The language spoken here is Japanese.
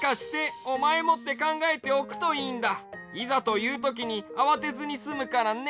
こうやっていざというときにあわてずにすむからね。